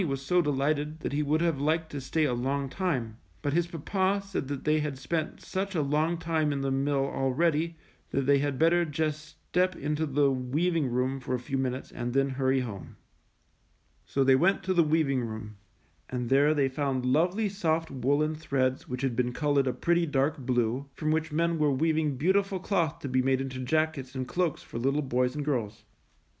was so delighted that he would have liked to stay a long time, but his papa said they had spent such a long time in the mill already that they had better just step into the weav ing room for a few minutes and then hurry home. So they went to the weaving room, and there they found lovely soft woolen threads which had been colored a pretty, dark blue, from which men were weaving beautiful cloth to be made into jackets and cloaks for little boys and girls.